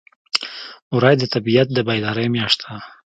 وری د طبیعت د بیدارۍ میاشت ده.